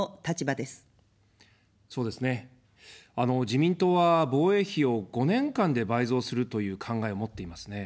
自民党は防衛費を５年間で倍増するという考えを持っていますね。